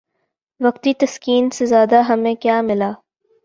وقتی تسکین سے زیادہ ہمیں کیا ملا؟